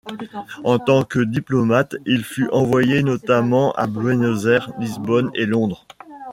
En tant que diplomate, il fut envoyé notamment à Buenos Aires, Lisbonne et Londres.